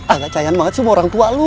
agak cahaya banget sih mau orang tua lu